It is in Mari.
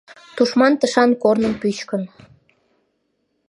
Тушман тышан корным пӱчкын.